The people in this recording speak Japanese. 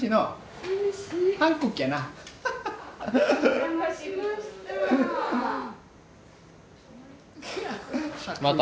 お邪魔しました。